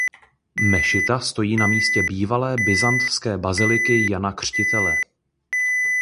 Mešita stojí na místě bývalé byzantské baziliky Jana Křtitele.